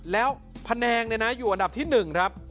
แล้วแผนงอยู่อันดับที่๑ครับ